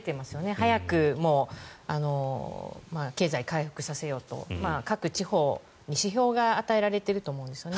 早くもう経済を回復させようと各地方に指標が与えられていると思うんですよね。